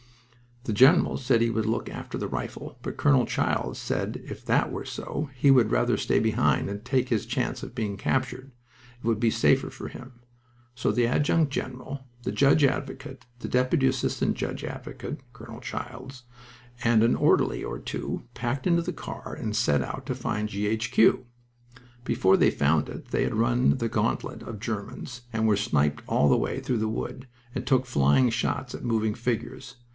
The general said he would look after the rifle, but Colonel Childs said if that were so he would rather stay behind and take his chance of being captured. It would be safer for him. So the adjutant general, the judge advocate, the deputy assistant judge advocate (Colonel Childs), and an orderly or two packed into the car and set out to find G.H.Q. Before they found it they had to run the gantlet of Germans, and were sniped all the way through a wood, and took flying shots at moving figures.